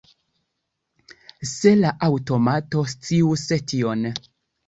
Se la aŭtomato scius tion!